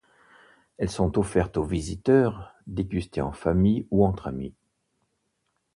Elles sont offertes aux visiteurs, dégustées en famille ou entre amis.